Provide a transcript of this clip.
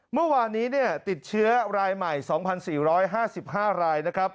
เมื่อวานนี้ติดเชื้อรายใหม่๒๔๕๕รายนะครับ